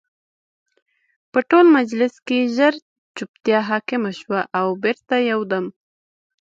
په ټول مجلس کې ژر جوپتیا حاکمه شوه او بېرته یو دم